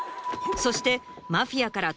そして。